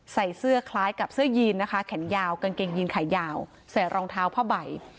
ใส่เสื้อคล้ายกับเสื้อยีนนะคะแขนยาวกางเกงยีนขายาวใส่รองเท้าผ้าใบ